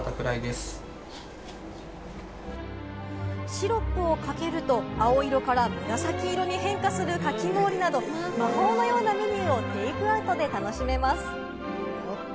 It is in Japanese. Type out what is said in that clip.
シロップをかけると、青色から紫色に変化するかき氷など、魔法のようなメニューをテイクアウトで楽しめます。